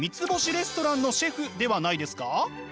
レストランのシェフではないですか？